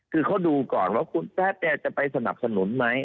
คือเขาดูก่อนว่าคุณแพทย์จะไปสนับสนุนไหม